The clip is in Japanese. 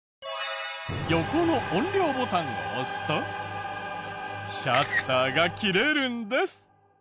横の音量ボタンを押すとシャッターが切れるんです。